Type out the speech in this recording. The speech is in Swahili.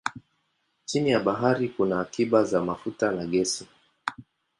Chini ya bahari kuna akiba za mafuta na gesi.